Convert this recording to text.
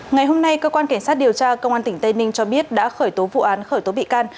ngày hôm nay cơ quan cảnh sát điều tra công an tỉnh tây ninh cho biết đã khởi tố vụ án khởi tố bị can